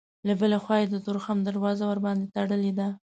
له بلې خوا یې د تورخم دروازه ورباندې تړلې ده.